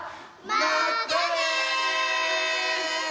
まったね！